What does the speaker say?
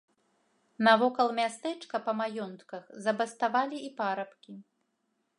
Навокал мястэчка па маёнтках забаставалі і парабкі.